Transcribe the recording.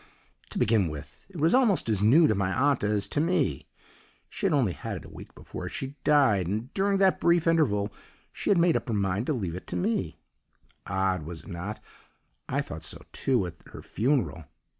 To begin with, it was almost as new to my aunt as to me; she had only had it a week before she died, and during that brief interval she had made up her mind to leave it to me. Odd, was it not? I thought so, too, at her funeral!